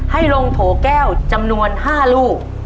ให้ลงโถแก้วจำนวน๕ลูก